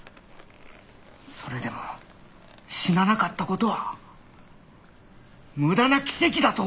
それでも死ななかった事は無駄な奇跡だと思うか？